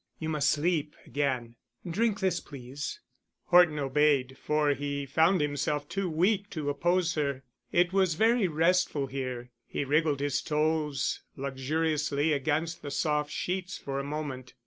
You must sleep again. Drink this—please." Horton obeyed, for he found himself too weak to oppose her. It was very restful here; he wriggled his toes luxuriously against the soft sheets for a moment.